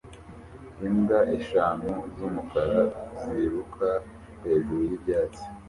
Imbwa eshanu z'umukara ziruka hejuru y'ibyatsi